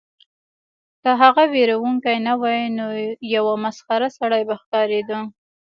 که هغه ویرونکی نه وای نو یو مسخره سړی به ښکاریده